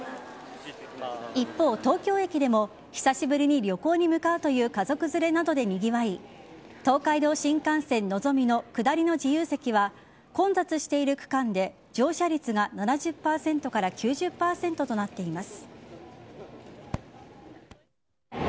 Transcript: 一方、東京駅でも久しぶりに旅行に向かうという家族連れなどでにぎわい東海道新幹線のぞみの下りの自由席は混雑している区間で乗車率が７０％から９０％となっています。